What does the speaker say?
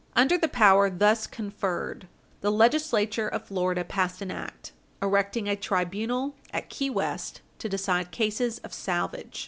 Under the power thus conferred, the Legislature of Florida passed an act erecting a tribunal at Key West to decide cases of salvage.